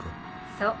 そう。